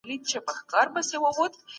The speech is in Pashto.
که موږ مخامخ اړیکې وپېژنو نو ټولنه درک کوو.